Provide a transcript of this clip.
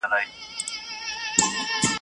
له هغې ویري مي خوب له سترګو تللی.